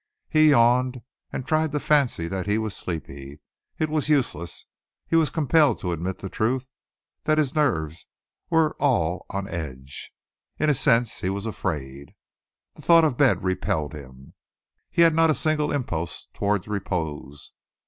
He yawned and tried to fancy that he was sleepy. It was useless. He was compelled to admit the truth that his nerves were all on edge. In a sense he was afraid. The thought of bed repelled him. He had not a single impulse towards repose.